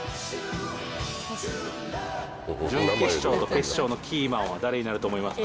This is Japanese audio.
準決勝と決勝のキーマンは誰になると思いますか。